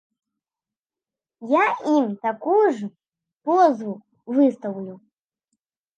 Я ім такую ж позву выстаўлю.